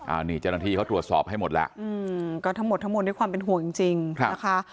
อันนี้เจ้าหน้าที่เขาตรวจสอบให้หมดแล้วก็ทั้งหมดทั้งหมดด้วยความเป็นห่วงจริงนะคะ